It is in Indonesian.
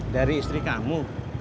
dari istri kamu